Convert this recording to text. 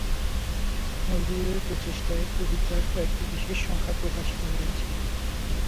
নজরুলের প্রচেষ্টায় পত্রিকার কয়েকটি বিশেষ সংখ্যা প্রকাশিত হয়েছিল।